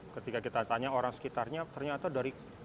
ketika kita tanya orang sekitarnya ternyata dari